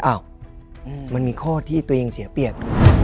มันมีข้อที่ตัวเองเสียเปรียบ